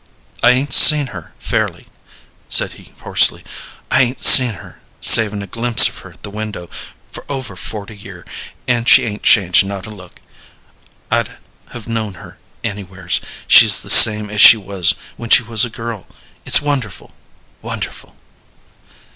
"I 'ain't seen her fairly," said he, hoarsely "I 'ain't seen her, savin' a glimpse of her at the window, for over forty year, and she 'ain't changed, not a look. I'd have known her anywheres. She's the same as she was when she was a girl. It's wonderful wonderful!"